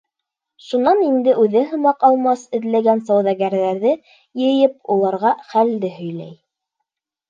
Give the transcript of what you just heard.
Шунан инде үҙе һымаҡ алмас эҙләгән сауҙагәрҙәрҙе йыйып, уларға хәлде һөйләй.